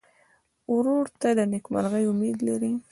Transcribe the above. ورور ته د نېکمرغۍ امید لرې.